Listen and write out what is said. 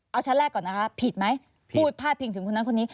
เอาชั้นแรกก่อนนะคะผิดไหมพูดพาดพิงถึงคนนั้นคนนี้